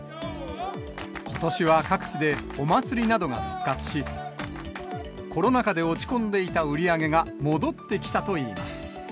ことしは各地でお祭りなどが復活し、コロナ禍で落ち込んでいた売り上げが戻ってきたといいます。